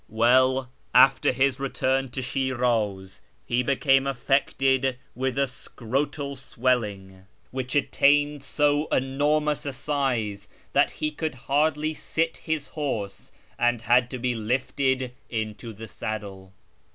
Well, after his return to Shiniz, he became affected with a scrotal swelling, which attained so enormous a size that he could hardly sit his horse, and had to be lifted into the saddle.